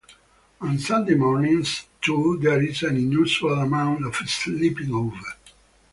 On Sunday mornings, too, there is an unusual amount of sleeping over.